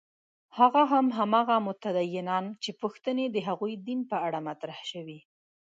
هغه هم هماغه متدینان چې پوښتنې د هغوی دین په اړه مطرح شوې.